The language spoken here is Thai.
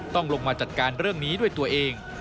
ต้องลงมาจัดการเรื่องนี้ด้วยตัวเอง